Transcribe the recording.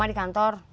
mama di kantor